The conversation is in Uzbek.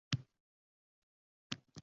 Faqat ularga ruxsat